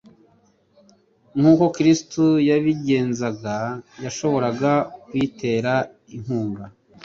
nk'uko Kristo yabigenzaga, yashobora kuyitera inkunga,